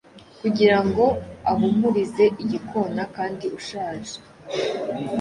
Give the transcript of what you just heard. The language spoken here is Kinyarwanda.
kugirango ahumurize igikona kandi ushaje